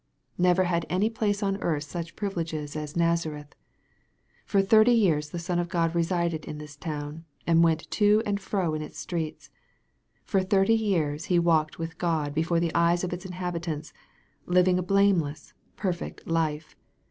Never had any place on earth such privileges as Nazareth. For thirty years the Son of God resided in this town, and went to and fro in its streets. For thirty years He walked with God before the eyes of its inhabit ants, living a blameless, perfect life.